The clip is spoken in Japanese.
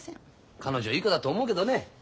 彼女いい子だと思うけどね。